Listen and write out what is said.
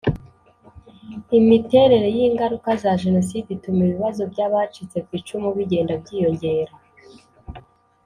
Imiterere y ingaruka za jenoside ituma ibibazo by abacitse ku icumu bigenda byiyongera